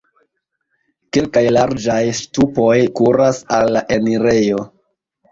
Kelkaj larĝaj ŝtupoj kuras al la enirejo.